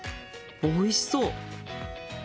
おいしそう！